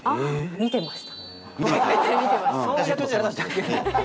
観てました？